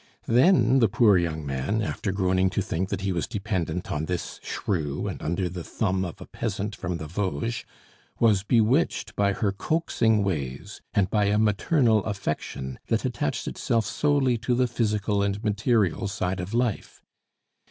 Then the poor young man, after groaning to think that he was dependent on this shrew and under the thumb of a peasant of the Vosges, was bewitched by her coaxing ways and by a maternal affection that attached itself solely to the physical and material side of life.